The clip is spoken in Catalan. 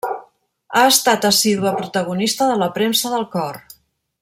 Ha estat assídua protagonista de la premsa del cor.